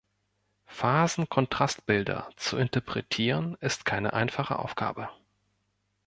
Phasenkontrastbilder zu interpretieren, ist keine einfache Aufgabe.